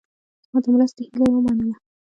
زما د مرستې هیله یې ومنله.